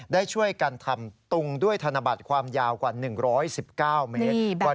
ได้ช่วยกันทำตุงด้วยธนบัตรความยาวกว่า๑๑๙เมตร